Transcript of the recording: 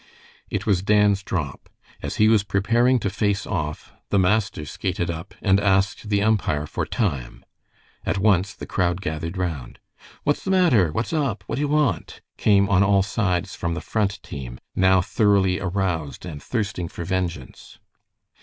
It was Dan's drop. As he was preparing to face off, the master skated up and asked the umpire for time. At once the crowd gathered round. "What's the matter?" "What's up?" "What do you want?" came on all sides from the Front team, now thoroughly aroused and thirsting for vengeance.